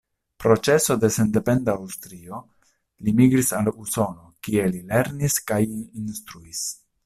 Pro ĉeso de sendependa Aŭstrio li migris al Usono, kie li lernis kaj instruis.